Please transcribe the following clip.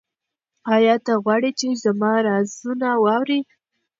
ایا ته غواړې چې زما رازونه واورې؟